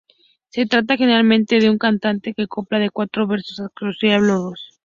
Se trata generalmente de un cante con copla de cuatro versos octosílabos.